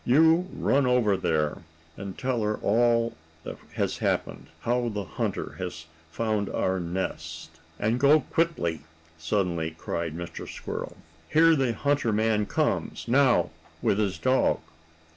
You run over there, and tell her all that has happened how the hunter has found our nest." "And go quickly!" suddenly cried Mr. Squirrel. "Here the hunter man comes now with his dog."